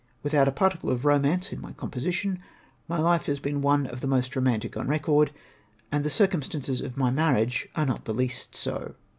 With out a particle of romance in my composition, my life has been one of the most romantic on record, and the circumstances of my marriage are not the least so.